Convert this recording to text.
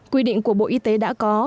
quy định của bộ y tế đã có